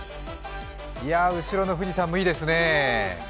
後ろの富士山もいいですね。